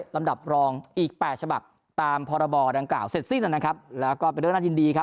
ลำดับรองอีก๘ฉบับตามพรบดังกล่าวเสร็จสิ้นนะครับแล้วก็เป็นเรื่องน่ายินดีครับ